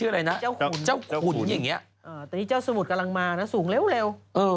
ในข้างโหวุดกำลังมานะส่งเร็ว